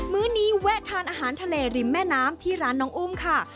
ื้อนี้แวะทานอาหารทะเลริมแม่น้ำที่ร้านน้องอุ้มค่ะ